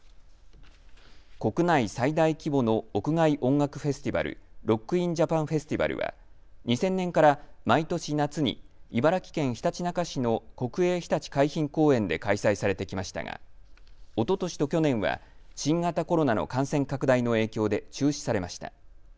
国内最大規模の屋外音楽フェスティバル、ロック・イン・ジャパン・フェスティバルは２０００年から毎年夏に茨城県ひたちなか市の国営ひたち海浜公園で開催されてきましたがおととしと去年は新型コロナの感染拡大の影響で中止されました。